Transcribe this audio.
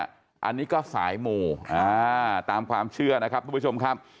อันนี้ก็สายหมู่ตามความเชื่อนะครับทุกผู้ชมครับ